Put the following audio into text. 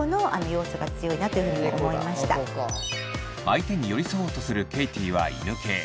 相手に寄り添おうとするケイティは犬系。